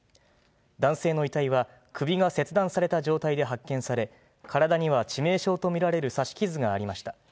男性の遺体は首が切断された状態で発見され、体には致命傷と見られる刺し傷がありました。